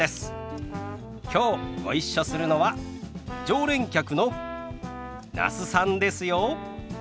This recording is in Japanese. きょうご一緒するのは常連客の那須さんですよ。